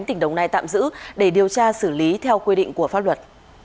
tỉnh đồng nai tạm giữ để điều tra xử lý theo quy định của pháp luật